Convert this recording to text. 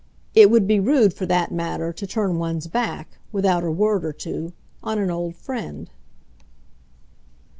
It would be rude, for that matter, to turn one's back, without a word or two, on an old friend.